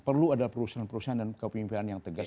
perlu ada perusahaan perusahaan dan kepemimpinan yang tegas